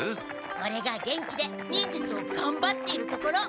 オレが元気で忍術をがんばっているところ！